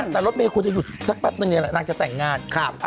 แต่รถเมล์ควรจะหยุดสักปะประเภทนางจะแต่งงาน